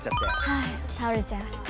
はいたおれちゃいました。